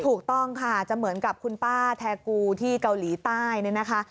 ถูกต้องค่ะจะเหมือนกับคุณป้าแทกูที่เกาหลีใต้เนี่ยนะคะ